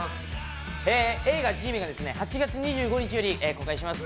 映画「Ｇメン」が８月２５日より公開します。